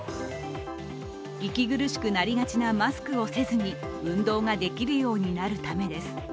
息苦しくなりがちなマスクをせずに運動ができるようになるためです。